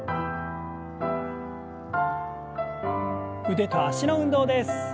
腕と脚の運動です。